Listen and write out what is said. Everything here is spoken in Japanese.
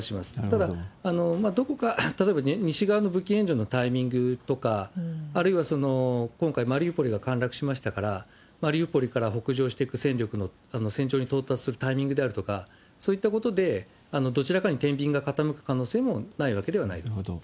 ただ、どこか、例えば西側の武器援助のタイミングとか、あるいは今回、マリウポリが陥落しましたから、マリウポリから北上していく戦力の戦場に到達するタイミングであるとか、そういったことで、どちらかに天びんが傾く可能性もないわけではないです。